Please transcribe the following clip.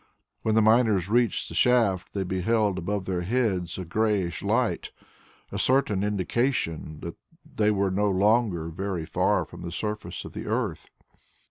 When the miners reached the shaft they beheld above their heads a greyish light, a certain indication that they were no longer very far from the surface of the earth.